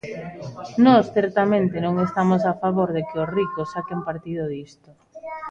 Nós certamente non estamos a favor de que os ricos saquen partido disto.